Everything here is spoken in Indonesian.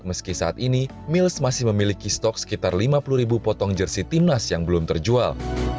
setelah berjualan kembali ke indonesia mills masih memiliki stok sekitar lima puluh ribu potong jersi tim nas yang belum terjual